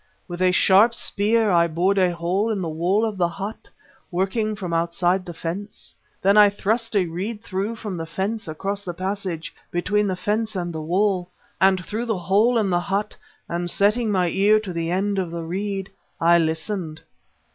With a sharp spear I bored a hole in the wall of the hut, working from outside the fence. Then I thrust a reed through from the fence across the passage between the fence and the wall, and through the hole in the hut, and setting my ear to the end of the reed, I listened."